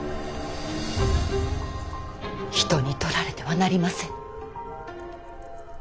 人に取られてはなりません。